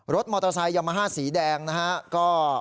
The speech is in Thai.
รถมอเตอร์ไซค์ยามาฮ่าสีแดงนะฮะ